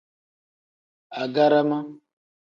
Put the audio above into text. Agarama.